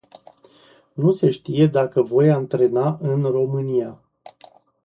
Nu se știe dacă voi antrena în România.